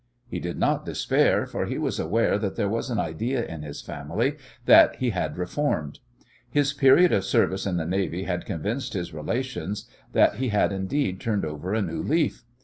He did not despair, for he was aware that there was an idea in his family that he had reformed. His period of service in the navy had convinced his relations that he had indeed turned over a new leaf.